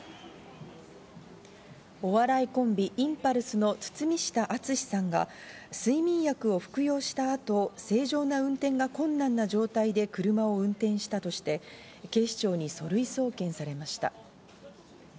お笑いコンビ・インパルスの堤下敦さんが睡眠薬を服用したあと、正常な運転が困難な状態で車を運転したとして、警視庁に書類送検されました。